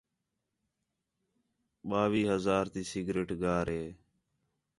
ٻاوِیہ ہزار تی سگریٹ گار ہِے